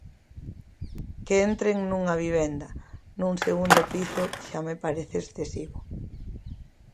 Que entren nunha vivenda, nun segundo piso, xa me parece excesivo.